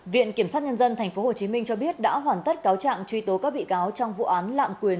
viện kiểm sát nhân dân tp hcm cho biết đã hoàn tất cáo trạng truy tố các bị cáo trong vụ án lạm quyền